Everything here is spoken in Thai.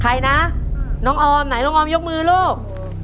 ใครนะน้องออมไหนน้องออมยกมือลูก